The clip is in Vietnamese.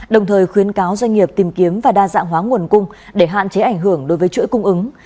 đồng thời khuyến cáo doanh nghiệp tìm kiếm và đa dạng hóa nguồn cung để hạn chế ảnh hưởng đối với chuỗi cung ứng